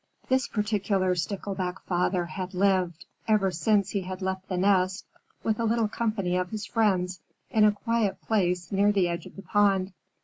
This particular Stickleback Father had lived, ever since he had left the nest, with a little company of his friends in a quiet place near the edge of the pond.